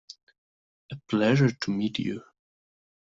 A pleasure to meet you.